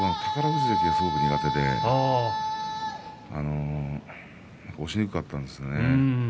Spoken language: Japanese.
富士関がすごく苦手で押しにくかったんですよね。